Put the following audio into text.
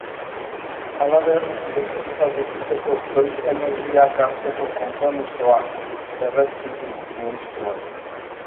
Halaber, defizita gutxitzeko doitze neurriak hartzeko konpromisoa berretsi du ministroak.